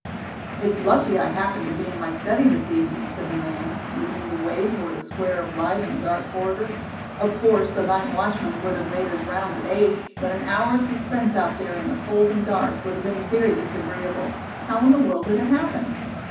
"It's lucky I happened to be in my study this evening," said the man, leading the way toward a square of light in the dark corridor. "Of course the night watchman would have made his rounds at eight, but an hour's suspense out there in the cold and dark would have been very disagreeable. How in the world did it happen?"